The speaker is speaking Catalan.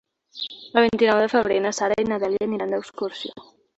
El vint-i-nou de febrer na Sara i na Dèlia aniran d'excursió.